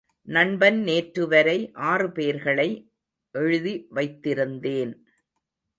நண்பன் நேற்றுவரை ஆறு பேர்களை எழுதி வைத்திருந்தேன்.